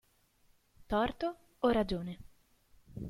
Torto o ragione?